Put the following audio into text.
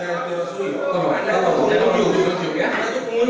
pernah pasti yang beliau disini